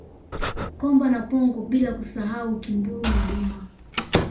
Komba na pongo bila kusahau Kimburu na Duma